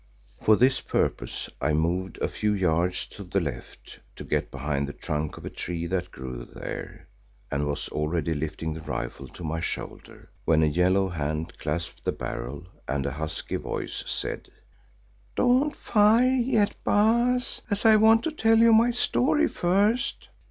For this purpose I moved a few yards to the left to get behind the trunk of a tree that grew there, and was already lifting the rifle to my shoulder, when a yellow hand clasped the barrel and a husky voice said, "Don't fire yet, Baas, as I want to tell you my story first."